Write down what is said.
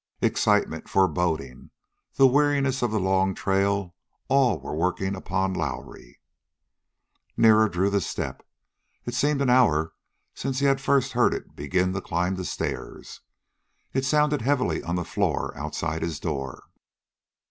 Excitement, foreboding, the weariness of the long trail all were working upon Lowrie. Nearer drew the step. It seemed an hour since he had first heard it begin to climb the stairs. It sounded heavily on the floor outside his door.